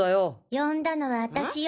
呼んだのは私よ。